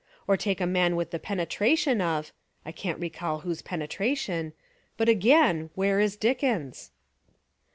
Or take a man with the penetration of, — I can't recall whose pene tration, — but again, where is Dickens?